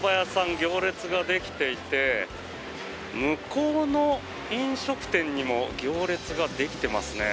行列ができていて向こうの飲食店にも行列ができてますね。